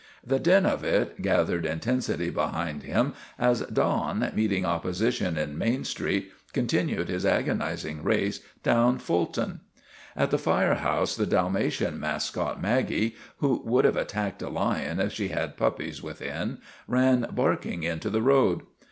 The din of it gathered intensity behind him as Don, meeting opposition in Main Street, continued his agonizing race down Ful ton. At the fire house the Dalmatian mascot Maggie, who would have attacked a lion if she had puppies within, ran barking into the road.